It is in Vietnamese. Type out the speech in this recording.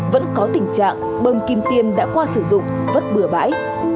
vẫn có tình trạng bầm kim tiêm đã qua sử dụng vất bửa bãi